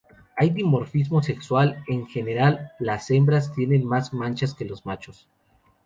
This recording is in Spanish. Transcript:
Hay dimorfismo sexual; en general las hembras tienen más manchas que los machos.